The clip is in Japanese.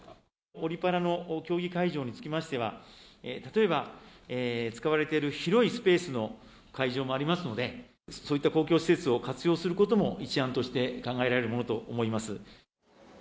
オリパラの競技会場につきましては、例えば使われている広いスペースの会場もありますので、そういった公共施設を活用することも、一案として考えられるものと思います。